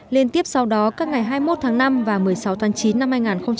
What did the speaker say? liên tiếp sau đó các ngày hai mươi một tháng năm và một mươi sáu tháng chín năm hai nghìn hai mươi